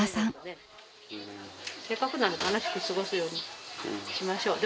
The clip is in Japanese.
せっかくなら楽しく過ごすようにしましょう。